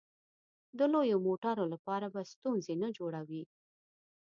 د لویو موټرو لپاره به ستونزې نه جوړوې.